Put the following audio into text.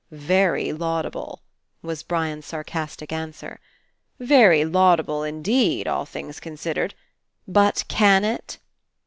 "Very laudable," was Brian's sarcastic answer. "Very laudable indeed, all things con sidered. But can it?"